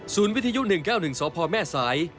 ศูนย์วิทยุ๑๙๑สพแม่สาย